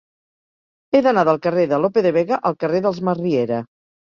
He d'anar del carrer de Lope de Vega al carrer dels Masriera.